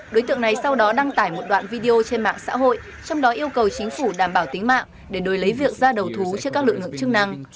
đối tượng này sau đó đăng tải một đoạn video trên mạng xã hội trong đó yêu cầu chính phủ đảm bảo tính mạng để đối lấy việc ra đầu thú cho các lực lượng chức năng